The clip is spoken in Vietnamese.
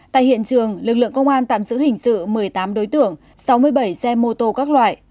tại hiện trường lực lượng công an tạm giữ hình sự một mươi tám đối tượng sáu mươi bảy xe mô tô các loại